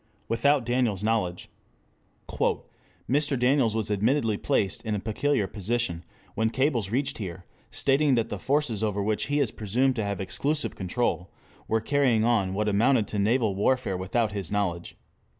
WITHOUT DANIELS' KNOWLEDGE "Mr. Daniels was admittedly placed in a peculiar position when cables reached here stating that the forces over which he is presumed to have exclusive control were carrying on what amounted to naval warfare without his knowledge.